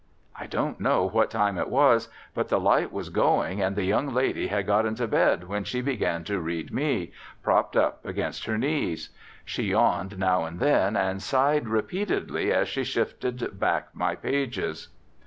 I don't know what time it was, but the light was going and the young lady had got into bed when she began to read me, propped up against her knees. She yawned now and then and sighed repeatedly as she shifted back my pages.